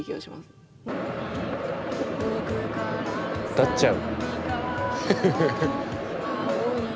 歌っちゃう。